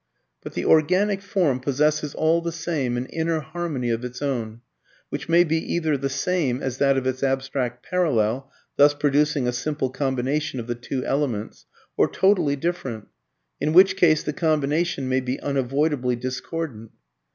But the organic form possesses all the same an inner harmony of its own, which may be either the same as that of its abstract parallel (thus producing a simple combination of the two elements) or totally different (in which case the combination may be unavoidably discordant).